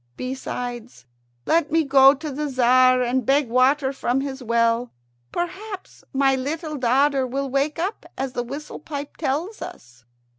Besides, let me go to the Tzar and beg water from his well. Perhaps my little daughter will wake up, as the whistle pipe tells us."